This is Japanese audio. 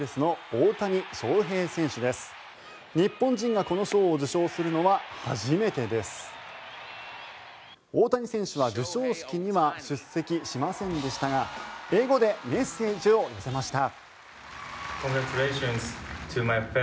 大谷選手は授賞式には出席しませんでしたが英語でメッセージを寄せました。